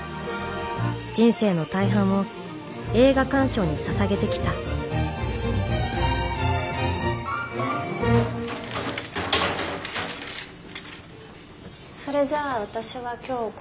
人生の大半を映画鑑賞にささげてきたそれじゃ私は今日これで。